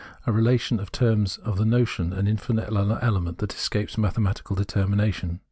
a relation in terms of the notion, an infinite element, that escapes mathematical determination.